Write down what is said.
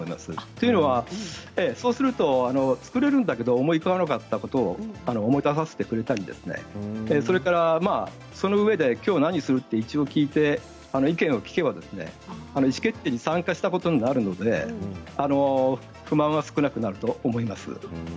というのは、そうすると作れるんだけど思い浮かばなかったことを思い出させてくれたりそれからそのうえできょう何する？と一応聞いて意見を聞けば意思決定に参加したことになるので不満は少なくなると思います。